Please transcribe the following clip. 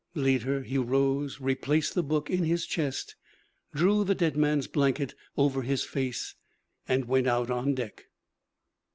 Later, he rose, replaced the book in his chest, drew the dead man's blanket over his face, and went out on deck.